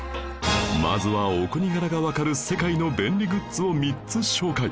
まずはお国柄がわかる世界の便利グッズを３つ紹介